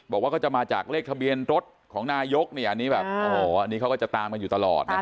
บอกว่าก็จะมาจากเลขทะเบียนรถของนายกนี่อันนี้แบบโอ้โหอันนี้เขาก็จะตามกันอยู่ตลอดนะ